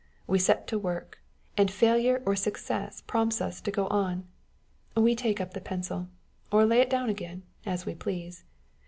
We set to work, and failure or success prompts us to go on. We take up the pencil, or lay it down again, as we please.